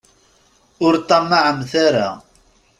Ur ṭṭamaɛemt ara.